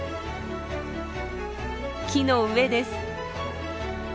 木の上です。